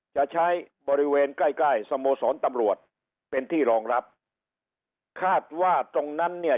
จะใช้บริเวณใกล้ใกล้สโมสรตำรวจเป็นที่รองรับคาดว่าตรงนั้นเนี่ย